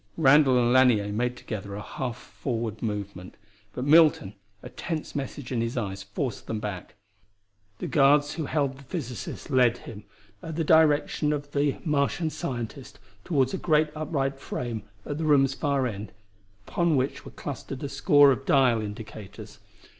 Randall and Lanier made together a half movement forward, but Milton, a tense message in his eyes, forced them back. The guards who held the physicist led him, at the direction of the Martian scientist, toward a great upright frame at the room's far end, upon which were clustered a score of dial indicators.